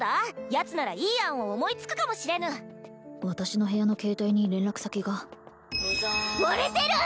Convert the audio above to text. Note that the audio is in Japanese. ヤツならいい案を思いつくかもしれぬ私の部屋の携帯に連絡先が割れてる！